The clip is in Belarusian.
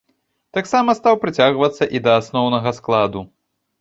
Таксама стаў прыцягвацца і да асноўнага складу.